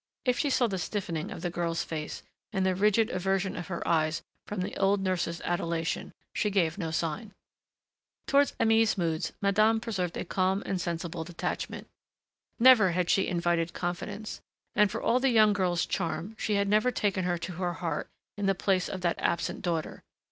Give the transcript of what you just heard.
If she saw the stiffening of the girl's face and the rigid aversion of her eyes from the old nurse's adulation she gave no sign. Towards Aimée's moods madame preserved a calm and sensible detachment. Never had she invited confidence, and for all the young girl's charm she had never taken her to her heart in the place of that absent daughter.